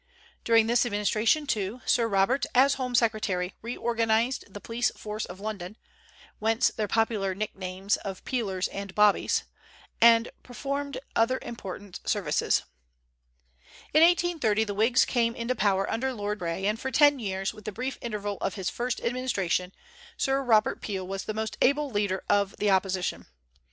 During this administration, too, Sir Robert, as home secretary, reorganized the police force of London (whence their popular nicknames of "Peelers" and "Bobbies"), and performed other important services. In 1830 the Whigs came into power under Lord Grey, and for ten years, with the brief interval of his first administration, Sir Robert Peel was the most able leader of the opposition.